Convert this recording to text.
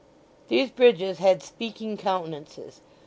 These bridges had speaking countenances.